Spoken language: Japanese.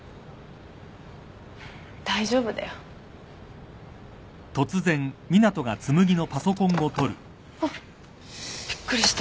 大丈夫だよ。あっびっくりした。